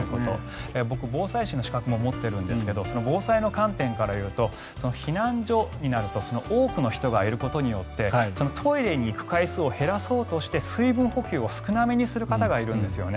僕、防災士の資格も持っているんですが防災の観点からいうと避難所になると多くの人がいることによってトイレに行く回数を減らそうとして、水分補給を少なめにする方がいるんですよね。